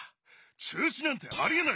中止なんてありえない。